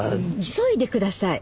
急いでください。